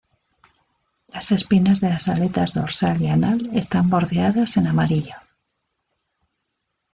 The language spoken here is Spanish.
Las espinas de las aletas dorsal y anal están bordeadas en amarillo.